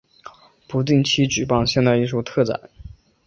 不定期举办现代艺术特展。